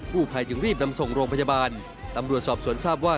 ผู้ภัยจึงรีบนำส่งโรงพยาบาลตำรวจสอบสวนทราบว่า